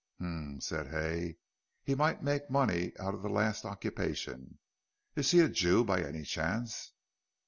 "Hum," said Hay, "he might make money out of the last occupation. Is he a Jew by any chance?"